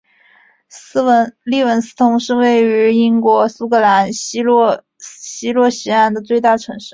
利文斯通是位于英国苏格兰西洛锡安的最大城市。